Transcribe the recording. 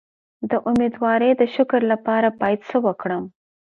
د امیدوارۍ د شکر لپاره باید څه وکړم؟